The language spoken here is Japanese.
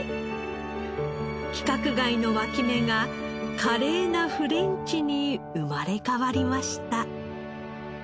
規格外の脇芽が華麗なフレンチに生まれ変わりました。